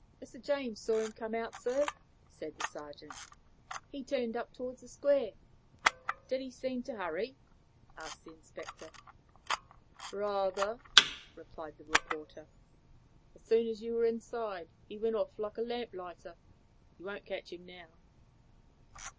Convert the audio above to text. "Mr. James saw him come out, sir," said the sergeant. "He turned up towards the Square." "Did he seem to hurry?" asked the inspector. "Rather," replied the reporter. "As soon as you were inside, he went off like a lamplighter. You won't catch him now."